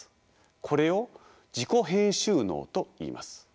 これを自己編集能といいます。